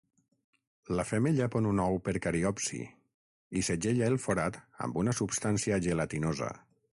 La femella pon un ou per cariopsi, i segella el forat amb una substància gelatinosa.